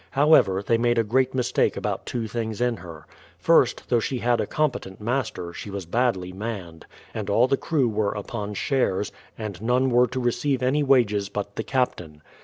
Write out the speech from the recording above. However, they made a great mistake about two things in her. First, though she had a competent master, she was badly manned, and all the crew were upon shares, and none were to receive any wages but the captain.